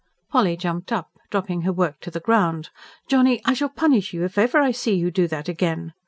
Polly jumped up, dropping her work to the ground. "Johnny, I shall punish you if ever I see you do that again.